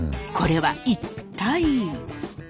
これは一体？